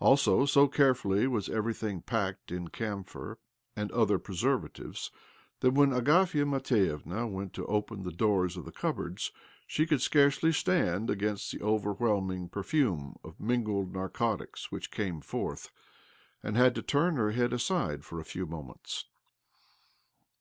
Also, so carefully was everything packed in camphor and other preservatives that when Agafia Matvievna went to open the doors of the cupboards she could scarcely stand against the overwhelming perfume of mingled narcotics which came forth, and had to turn her head aside for a ; few moments